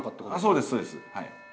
そうです、そうです。